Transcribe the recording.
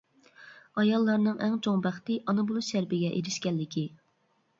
ئاياللارنىڭ ئەڭ چوڭ بەختى ئانا بولۇش شەرىپىگە ئېرىشكەنلىكى.